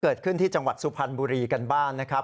เกิดขึ้นที่จังหวัดสุพรรณบุรีกันบ้านนะครับ